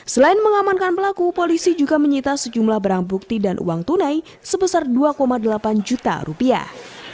selain mengamankan pelaku polisi juga menyita sejumlah barang bukti dan uang tunai sebesar dua delapan juta rupiah